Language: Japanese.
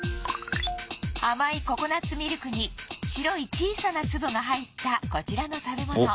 甘いココナツミルクに白い小さな粒が入ったこちらの食べ物